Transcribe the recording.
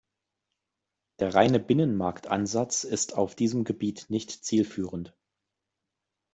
Der reine Binnenmarktansatz ist auf diesem Gebiet nicht zielführend.